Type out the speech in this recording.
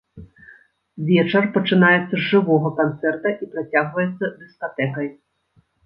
Вечар пачынаецца з жывога канцэрта і працягваецца дыскатэкай.